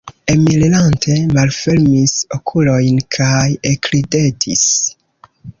Emil lante malfermis okulojn kaj ekridetis.